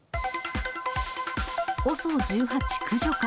ＯＳＯ１８駆除か。